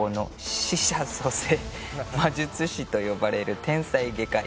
「死者蘇生魔術師と呼ばれる天才外科医」